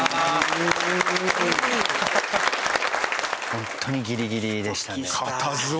ホントにギリギリでしたね。